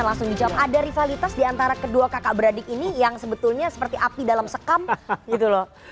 ada rivalitas diantara keduanya kakak beradik ini yang sebetulnya seperti api dalam sekam gitu loh